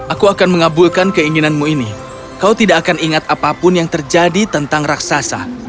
aku akan mengabulkan keinginanmu ini kau tidak akan ingat apapun yang terjadi tentang raksasa